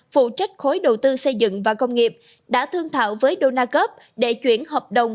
phụ trách khối đầu tư xây dựng và công nghiệp đã thương thạo với đô na cóc để chuyển hợp đồng